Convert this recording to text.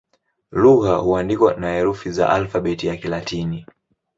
Lugha huandikwa na herufi za Alfabeti ya Kilatini.